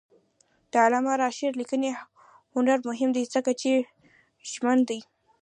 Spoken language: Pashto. د علامه رشاد لیکنی هنر مهم دی ځکه چې ژمن دی.